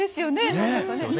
何だかね。